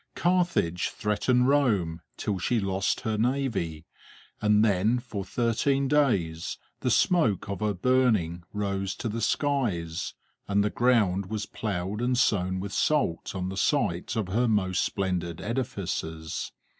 Carthage threatened Rome till she lost her navy; and then for thirteen days the smoke of her burning rose to the skies, and the ground was ploughed and sown with salt on the site of her most splendid edifices.